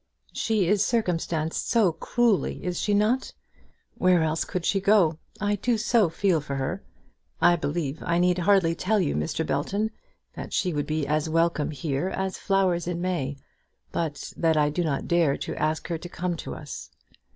"She is circumstanced so cruelly! Is she not? Where else could she go? I do so feel for her. I believe I need hardly tell you, Mr. Belton, that she would be as welcome here as flowers in May, but that I do not dare to ask her to come to us."